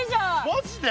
マジで？